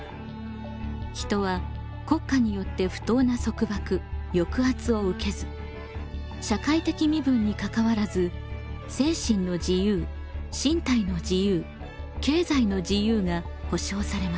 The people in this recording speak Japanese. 人は国家によって不当な束縛・抑圧を受けず社会的身分にかかわらず精神の自由・身体の自由・経済の自由が保障されます。